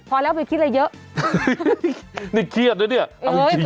พอแล้วไปคิดอะไรเยอะนี่เครียดนะเนี่ยเอาจริง